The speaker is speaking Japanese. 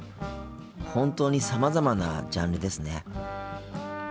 本当にさまざまなジャンルですね。